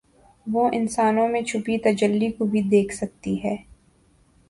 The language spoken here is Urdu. وہ انسانوں میں چھپی تجلی کو بھی دیکھ سکتی ہیں